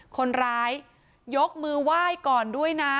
คนร้ายยกมือไหว้ก่อนด้วยนะ